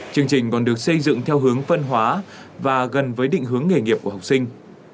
chương trình còn được xây dựng theo hướng phân hóa và gần với định hướng nghề nghiệp của học sinh